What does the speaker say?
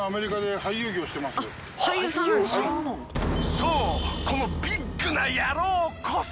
そうこのビッグな野郎こそ。